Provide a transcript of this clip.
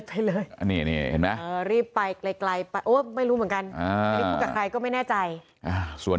ไปเลยนี่นี่รีบไปไกลไปไม่รู้เหมือนกันก็ไม่แน่ใจส่วน